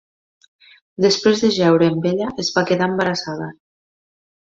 Després de jeure amb ella es va quedar embarassada.